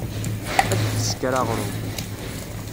Ad tesker aɣṛum.